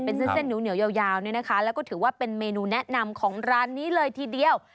เป็นเส้นเหนียวยาวเนี่ยนะคะแล้วก็ถือว่าเป็นเมนูแนะนำของร้านนี้เลยทีเดียว